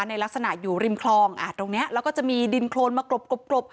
ในลักษณะอยู่ริมคลองตรงนี้แล้วก็จะมีดินโครนมากรบ